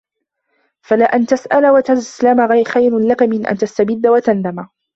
فَلَأَنْ تَسْأَلَ وَتَسْلَمَ خَيْرٌ لَك مِنْ أَنْ تَسْتَبِدَّ وَتَنْدَمَ